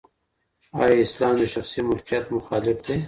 ایا اسلام د شخصي ملکیت مخالف دی؟